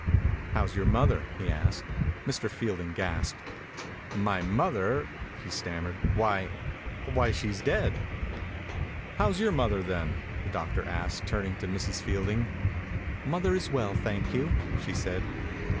"How's your mother?" he asked. Mr. Fielding gasped. "My mother! " he stammered. "Why — why, she's dead." "How's your mother, then ?" the doctor asked, turning to Mrs. Fielding. "Mother is well, thank you" she said.